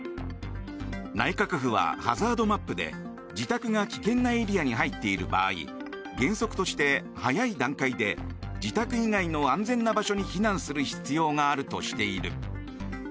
内閣府はハザードマップで自宅が危険なエリアに入っている場合原則として、早い段階で自宅以外の安全な場所に避難する必要があるとしている。